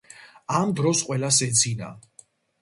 ამ დროს ყველას ეძინა.